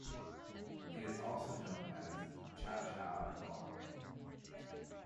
It is also known as "cha-cha gohan".